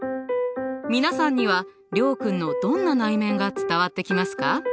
皆さんには諒君のどんな内面が伝わってきますか？